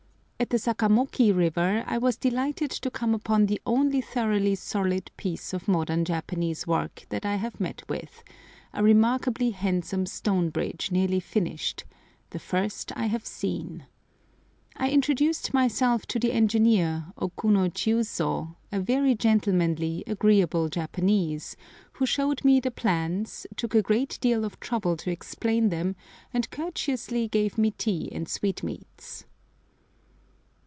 At the Sakamoki river I was delighted to come upon the only thoroughly solid piece of modern Japanese work that I have met with—a remarkably handsome stone bridge nearly finished—the first I have seen. I introduced myself to the engineer, Okuno Chiuzo, a very gentlemanly, agreeable Japanese, who showed me the plans, took a great deal of trouble to explain them, and courteously gave me tea and sweetmeats.